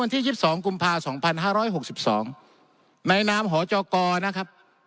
ที่๒๒กุมภา๒๕๖๒ในนามหจกนะครับ